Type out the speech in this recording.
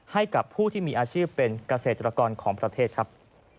ให้กับผู้ที่มีอาชีพเป็นเกษตรกรของประเทศครับ